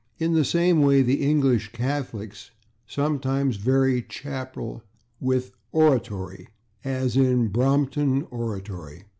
In the same way the English Catholics sometimes vary /chapel/ with /oratory/, as in /Brompton Oratory